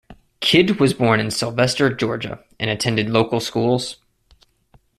Kidd was born in Sylvester, Georgia, and attended local schools.